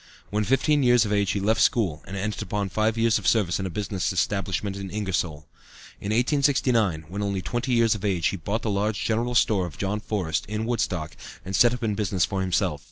When fifteen years of age he left school, and entered upon five years of service in a business establishment in Ingersoll. In 1869, when only twenty years of age, he bought the large general store of John Forrest, in Woodstock, and set up in business for himself.